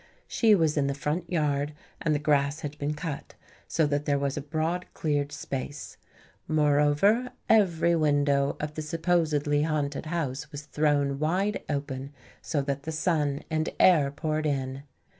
She was in the front yard and the grass had been cut, so that there was a broad cleared space. Moreover, every window of the supposedly haunted house was thrown wide open, so that the sun and air poured in.